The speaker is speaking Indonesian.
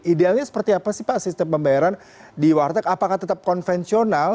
idealnya seperti apa sih pak sistem pembayaran di warteg apakah tetap konvensional